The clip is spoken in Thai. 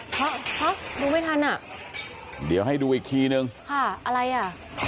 เพราะดูไม่ทันอ่ะเดี๋ยวให้ดูอีกทีนึงค่ะอะไรอ่ะ